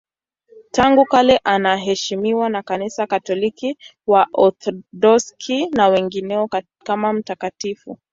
Tangu kale anaheshimiwa na Kanisa Katoliki, Waorthodoksi na wengineo kama mtakatifu.